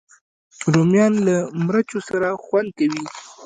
رومیان له مرچو سره خوند کوي